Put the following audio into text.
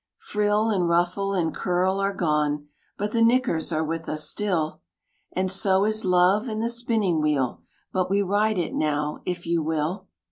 Frill, and ruffle, and curl are gone, But the "knickers" are with us still And so is love and the spinning wheel, But we ride it now if you will!